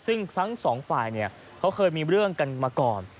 ซึ่งทั้งสองฝ่ายเขาเคยมีเรื่องกันมาก่อน